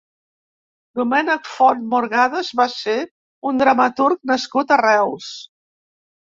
Domènec Font Morgades va ser un dramaturg nascut a Reus.